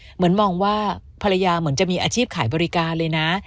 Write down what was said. เหมือนมองว่าภรรยาเหมือนจะมีอาชีพขายบริการเลยนะ